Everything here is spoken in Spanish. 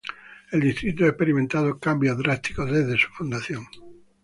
El distrito ha experimentado cambios drásticos desde su fundación.